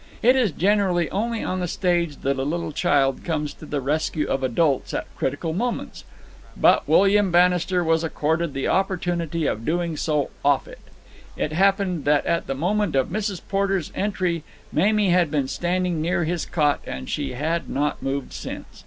It is generally only on the stage that a little child comes to the rescue of adults at critical moments; but William Bannister was accorded the opportunity of doing so off it. It happened that at the moment of Mrs. Porter's entry Mamie had been standing near his cot, and she had not moved since.